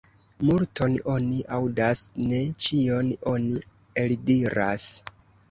Multon oni aŭdas, ne ĉion oni eldiras.